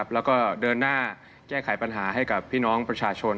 แล้วก็เดินหน้าแก้ไขปัญหาให้กับพี่น้องประชาชน